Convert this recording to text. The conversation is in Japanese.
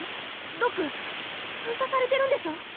ドック封鎖されてるんでしょ？